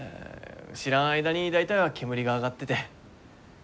知らん間に大体は煙が上がってて。